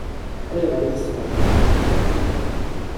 Ayɣer i tesxeṛbeḍ tibḥirt-iw?